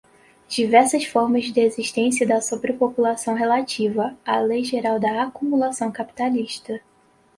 Diversas formas de existência da sobrepopulação relativa. A lei geral da acumulação capitalista